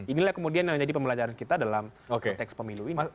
inilah kemudian yang menjadi pembelajaran kita dalam konteks pemilu ini